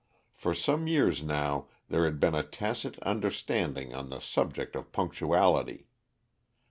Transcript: For some years now there had been a tacit understanding on the subject of punctuality.